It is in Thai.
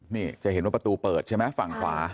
นี่จะเห็นว่าประตูเปิดใช่ไหมฝั่งขวา